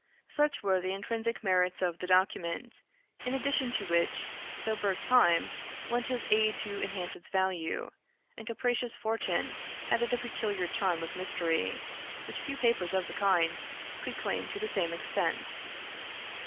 Such were the intrinsic merits of the document, in addition to which, sober Time lent his aid to enhance its value, and capricious Fortune added a peculiar charm of mystery, which few papers of the kind could claim to the same extent.